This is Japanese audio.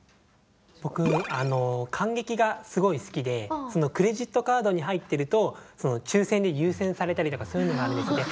僕観劇がすごい好きでそのクレジットカードに入っていると抽選で優先されたりとかそういうのがあるんです。